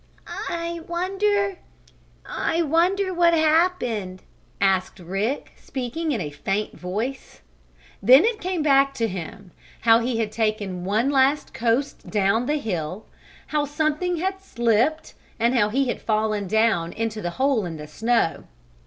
"I wonder I wonder what happened?" asked Rick, speaking in a faint voice. Then it came back to him how he had taken one last coast down the hill, how something had slipped and how he had fallen down into the hole in the snow.